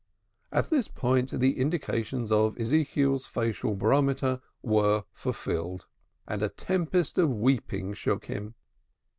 At this point the indications of Ezekiel's facial barometer were fulfilled, and a tempest of weeping shook him.